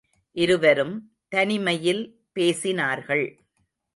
இருவரும் தனிமையில் பேசினார்கள்.